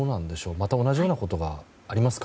また同じようなことがありますか？